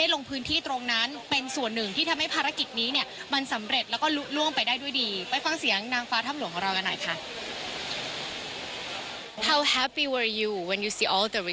ล่วงไปได้ด้วยดีไปฟังเสียงนางฟ้าทำหลวงของเรากันหน่อยค่ะ